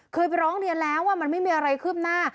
เคยไปร้องเรียนแล้วว่ามันไม่มีอะไรคืบหน้า